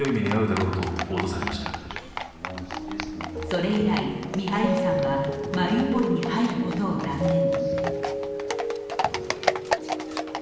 それ以来、ミハイルさんはマリウポリに入ることを断念。